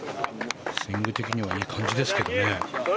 スイング的にはいい感じですけどね。